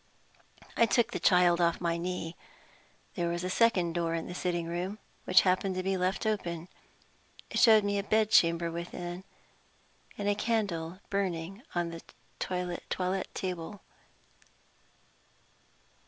I took the child off my knee. There was a second door in the sitting room, which happened to be left open. It showed me a bed chamber within, and a candle burning on the toilet table.